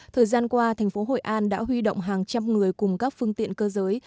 thời gian qua thành phố hội an đã huy động hàng trăm người cùng các phương tiện cơ giới